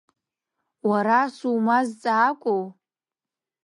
Уара сумазҵаакәоу?